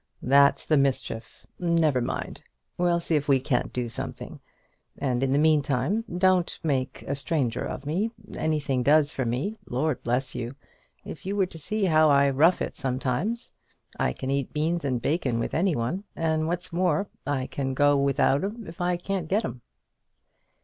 "That's the mischief! Never mind. We'll see if we can't do something. And in the meantime don't make a stranger of me. Anything does for me. Lord bless you! if you were to see how I rough it sometimes! I can eat beans and bacon with any one; and what's more, I can go without 'em if I can't get 'em."